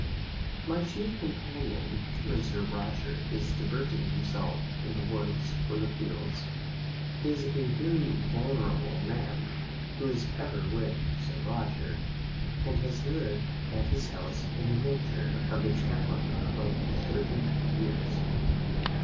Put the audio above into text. My chief companion, when Sir Roger is diverting himself in the woods or the fields, is a very venerable man who is ever with Sir Roger, and has lived at his house in the nature of a chaplain above thirty years.